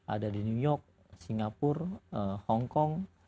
ada di new york singapura hongkong